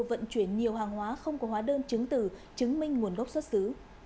vận chuyển nhiều hàng hóa không có hóa đơn chứng từ chứng minh nguồn gốc xuất xứ